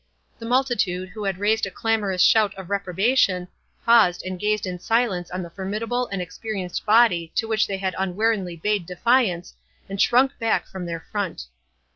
The multitude, who had raised a clamorous shout of reprobation, paused and gazed in silence on the formidable and experienced body to which they had unwarily bade defiance, and shrunk back from their front.